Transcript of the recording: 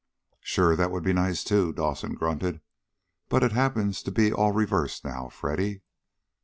"Sure, that would be nice, too," Dawson grunted. "But it happens to be all reversed now, Freddy."